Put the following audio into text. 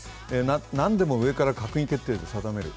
何でも上から閣議決定で決める。